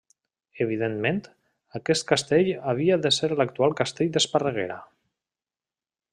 Evidentment, aquest castell havia de ser l'actual castell d'Esparreguera.